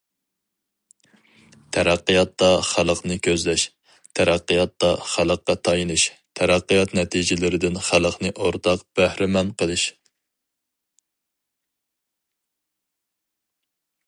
تەرەققىياتتا خەلقنى كۆزلەش، تەرەققىياتتا خەلققە تايىنىش، تەرەققىيات نەتىجىلىرىدىن خەلقنى ئورتاق بەھرىمەن قىلىش.